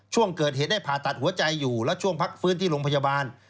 ช่วงเกิดเหตุได้ผ่าตัดหัวใจอยู่และช่วงพักฟื้นที่โรงพยาบาล